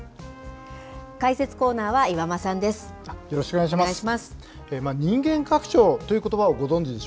解説コーナーは岩間さんです。